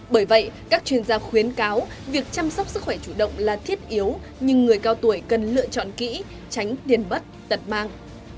bởi vậy các chuyên gia khuyến cáo việc chăm sóc sức khỏe chủ động là thiết yếu nhưng người cao tuổi cần lựa chọn kỹ tránh điền bất tật mang